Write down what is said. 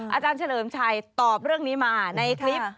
อาจารย์เฉลิมชัยตอบเรื่องนี้มาในคลิป